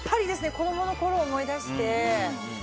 子供のころ思い出して。